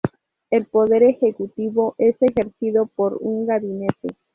El poder ejecutivo es ejercido por un gabinete.